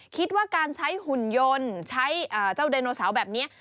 คิดว่าการใช้หุ่นยนต์ใช้เจ้าไดโนเสาร์แบบนี้